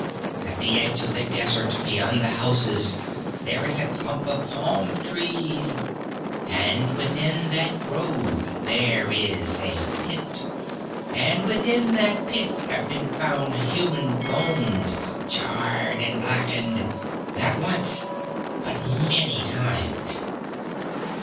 At the edge of the desert, beyond the houses, there is a clump of palm trees, and within that grove there is a pit. And within that pit have been found human bones, charred and blackened! Not once, but many times!'